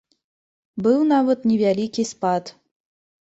Быў нават невялікі спад.